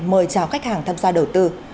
mời chào khách hàng tham gia đầu tư